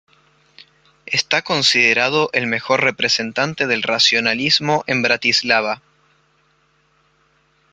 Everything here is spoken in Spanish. Está considerado el mejor representante del racionalismo en Bratislava.